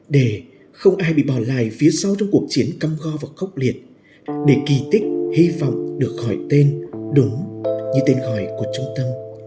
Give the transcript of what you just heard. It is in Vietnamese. để không ai bị bỏ lại phía sau trong cuộc chiến cam go và khốc liệt để kỳ tích hy vọng được hỏi tên đúng như tên gọi của trung tâm